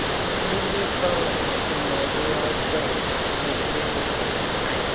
The year following, when my dear old friends, Mr. and Mrs. A.